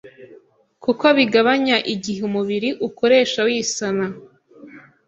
kuko bigabanya igihe umubiri ukoresha wisana